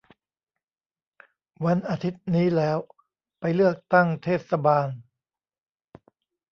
วันอาทิตย์นี้แล้ว ! ไปเลือกตั้งเทศบาล